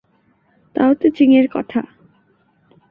তাও Te Ching এর কথা?